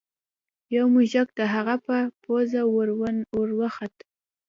یو موږک د هغه په پوزه ور وخوت.